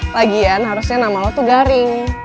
lagian harusnya nama lo tuh garing